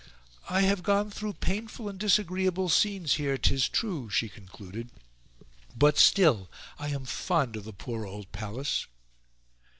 "I have gone through painful and disagreeable scenes here, 'tis true," she concluded, "but still I am fond of the poor old palace."